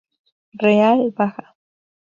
Real baja.